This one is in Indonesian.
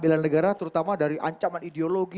bela negara terutama dari ancaman ideologi